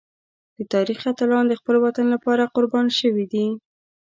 د تاریخ اتلان د خپل وطن لپاره قربان شوي دي.